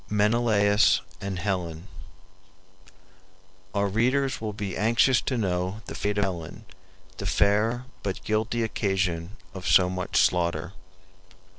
MENELAUS AND HELEN Our readers will be anxious to know the fate of Helen, the fair but guilty occasion of so much slaughter.